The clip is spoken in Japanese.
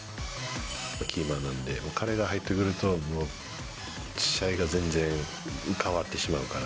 キーマンなので、彼が入ってくると、もう、試合が全然変わってしまうから。